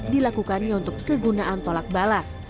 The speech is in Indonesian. dilakukannya untuk kegunaan tolak bala